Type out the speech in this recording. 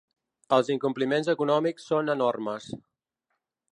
Els incompliments econòmics són enormes.